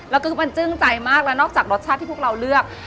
แล้วก็มันจึ้งใจมากแล้วนอกจากรสชาติที่พวกเราเลือก